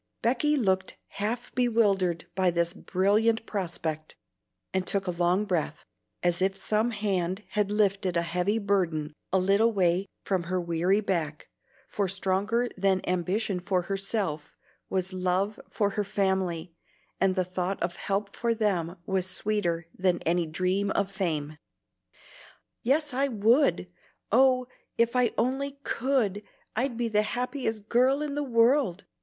Becky looked half bewildered by this brilliant prospect, and took a long breath, as if some hand had lifted a heavy burden a little way from her weary back, for stronger than ambition for herself was love for her family, and the thought of help for them was sweeter than any dream of fame. "Yes, I would! oh, if I only COULD, I'd be the happiest girl in the world!